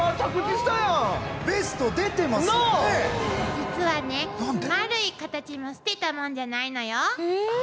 実はね丸いカタチも捨てたもんじゃないのよ。